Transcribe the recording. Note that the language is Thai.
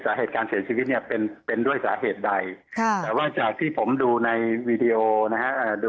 สาเหตุการเสียชีวิตเนี่ยเป็นเป็นด้วยสาเหตุใดแต่ว่าจากที่ผมดูในวีดีโอนะฮะ